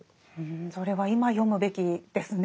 それは今読むべきですね。